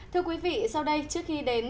thưa quý vị sau đây trước khi đến